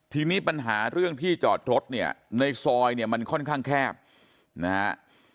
ทีนี้ปัญหาเรื่องที่จอดรถเนี่ยในซอยเนี่ยมันค่อนข้างแคบนะฮะ